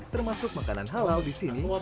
termasuk makanan halal di sini